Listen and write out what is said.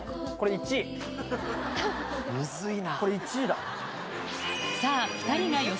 むずいな。